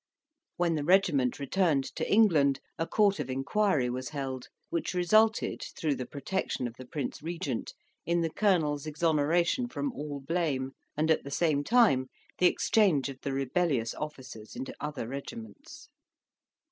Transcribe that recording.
When the regiment returned to England, a court of inquiry was held, which resulted, through the protection of the Prince Regent, in the colonel's exoneration from all blame, and at the same time the exchange of the rebellious officers into other regiments.